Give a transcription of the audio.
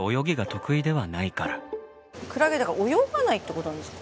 クラゲ泳がないってことなんですか？